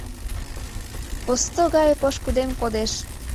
Посто гае пошкудем кодеш